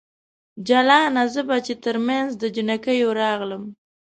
جلانه ! زه به چې ترمنځ د جنکیو راغلم